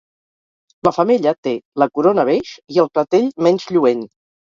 La femella té la corona beix i el clatell menys lluent.